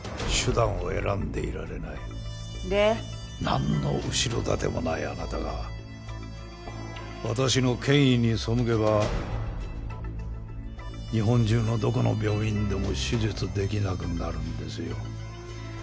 なんの後ろ盾もないあなたが私の権威に背けば日本中のどこの病院でも手術出来なくなるんですよ。